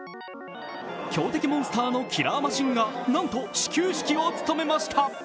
強敵モンスターのキラーマシンがなんと始球式を務めました。